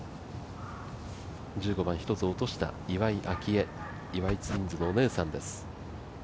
１５番、一つ落とした岩井明愛岩井ツインズのお姉さんです。